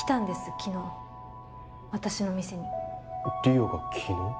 昨日私の店に莉桜が昨日？